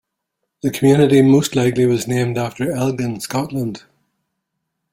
The community most likely was named after Elgin, Scotland.